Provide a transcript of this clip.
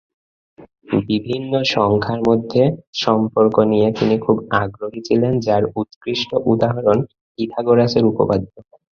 বিভিন্ন সংখ্যার মধ্যে সম্পর্ক নিয়ে তিনি খুব আগ্রহী ছিলেন যার উৎকৃষ্ট উদাহরণ পিথাগোরাসের উপপাদ্য।